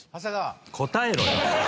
答えろよ。